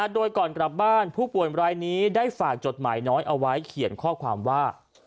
โดยก่อนกลับบ้านผู้ป่วยรายนี้ได้ฝากจดหมายน้อยเอาไว้เขียนข้อความว่า